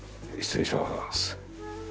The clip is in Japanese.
失礼します。